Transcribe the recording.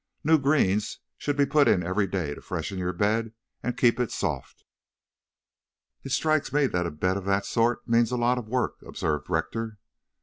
"New greens should be put in every day to freshen your bed and keep it soft." "It strikes me that a bed of that sort means a lot of work," observed Rector.